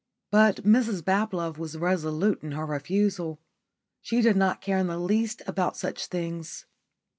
But Mrs Bablove was resolute in her refusal. She did not care in the least about such things.